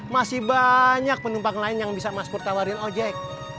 masih banyak penumpang lain yang bisa mas pur tawarin ojek